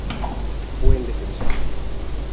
Buen defensor